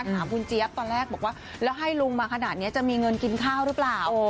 ถามคุณเจี๊ยบตอนแรกบอกว่าแล้วให้ลุงมาขนาดนี้จะมีเงินกินข้าวหรือเปล่า